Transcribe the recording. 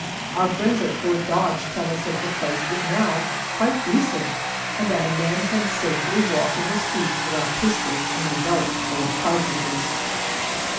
Our friends at Fort Dodge tell us that the place is now quite decent, and that a man can safely walk in the streets without pistols and a belt full of cartridges.